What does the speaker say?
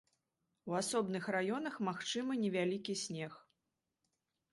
У асобных раёнах магчымы невялікі снег.